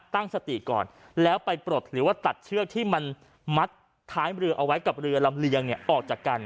ตั้งสติก่อนแล้วไปปลดหรือว่าตัดเชือกที่มันมัดท้ายเรือเอาไว้กับเรือลำเลียงเนี่ยออกจากกัน